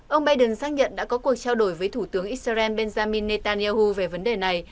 ông biden xác nhận đã có cuộc trao đổi với thủ tướng israel benjamin netanyahu về vấn đề này